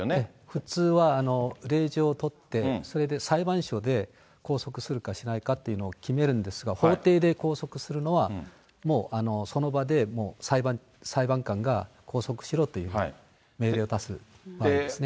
普通は令状を取って、それで裁判所で拘束するかしないかというのを決めるんですが、法廷で拘束するのは、もう、その場で裁判官が拘束しろというふうに命令を出すんですね。